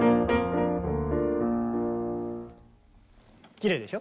きれいでしょ？